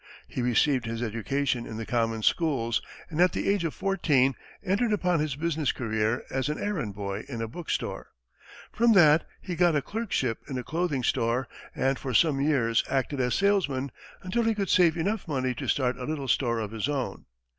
He received his education in the common schools, and at the age of fourteen, entered upon his business career as an errand boy in a book store. From that, he got a clerkship in a clothing store, and for some years acted as salesman, until he could save enough money to start a little store of his own.